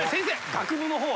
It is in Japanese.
学部の方は？